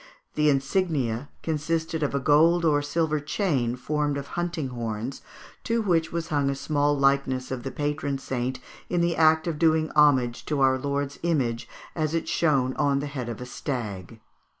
The insignia consisted of a gold or silver chain formed of hunting horns, to which was hung a small likeness of the patron saint in the act of doing homage to our Saviour's image as it shone on the head of a stag.